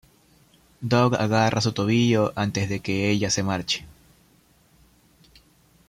Doug agarra su tobillo antes de que ella se marche.